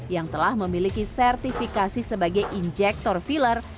yang telah memiliki sertifikasi sebagai injektor filler